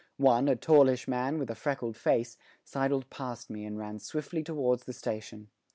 One, a tallish man with a freckled face, sidled past me and ran swiftly towards the station.